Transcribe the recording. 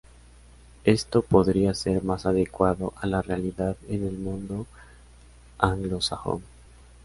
Esto podría ser más adecuado a la realidad en el mundo anglosajón.